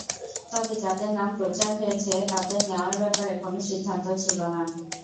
তবে যাঁদের নাম প্রচার হয়েছে, তাঁদের নেওয়ার ব্যাপারে কোনো সিদ্ধান্ত ছিল না।